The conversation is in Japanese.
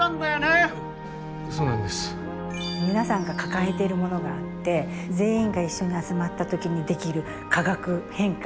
皆さんが抱えているものがあって全員が一緒に集まった時にできる化学変化